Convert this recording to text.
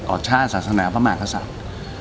ชาติศาสนาพระมหากษัตริย์